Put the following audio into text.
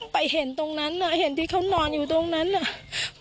เห็นตรงนั้นน่ะเห็นที่เขานอนอยู่ตรงนั้นน่ะ